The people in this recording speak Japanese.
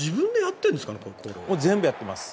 全部やってます。